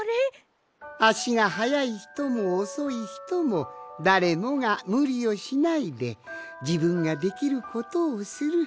あしがはやいひともおそいひともだれもがむりをしないでじぶんができることをする。